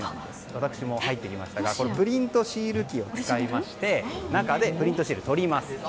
私も入ってみましたがプリントシール機を使いまして中でプリントシールを撮ります。